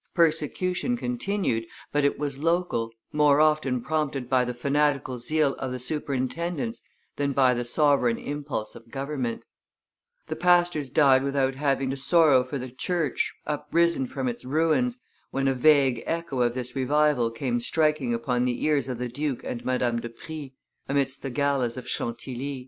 Persecution continued, but it was local, more often prompted by the fanatical zeal of the superintendents than by the sovereign impulse of government; the pastors died without having to sorrow for the church, up risen from its ruins, when a vague echo of this revival came striking upon the ears of the Duke and Madame de Prie, amidst the galas of Chantilly.